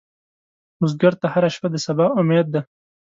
بزګر ته هره شپه د سبا امید ده